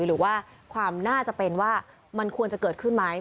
หรือว่าความน่าจะเป็นว่ามันควรจะเกิดขึ้นไหม